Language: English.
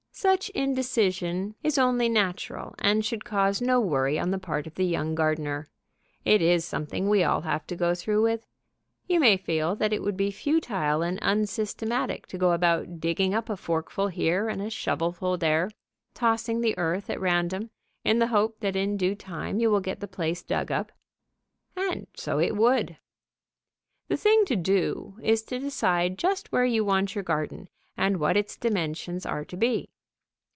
Such indecision is only natural, and should cause no worry on the part of the young gardener. It is something we all have to go through with. You may feel that it would be futile and unsystematic to go about digging up a forkful here and a shovelful there, tossing the earth at random, in the hope that in due time you will get the place dug up. And so it would. The thing to do is to decide just where you want your garden, and what its dimensions are to be.